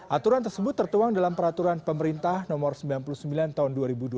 aturan tersebut tertuang dalam peraturan pemerintah nomor sembilan puluh sembilan tahun dua ribu dua puluh